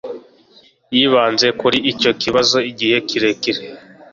Yibanze kuri icyo kibazo igihe kirekire.